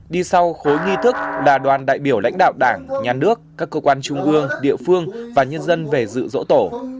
đi sau khối nghi thức là đoàn đại biểu lãnh đạo đảng nhà nước các cơ quan trung ương địa phương và nhân dân về dự dỗ tổ